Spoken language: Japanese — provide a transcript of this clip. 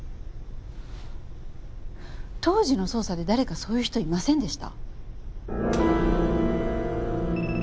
当時の捜査で誰かそういう人いませんでした？